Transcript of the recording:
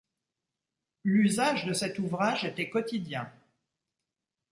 L'usage de cet ouvrage était quotidien.